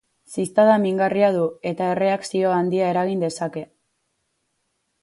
Ziztada mingarria du eta erreakzio handia eragin dezake.